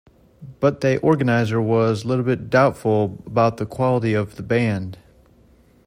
But they organiser was little bit doubtful about the quality of the band.